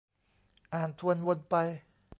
อ่านทวนวนไป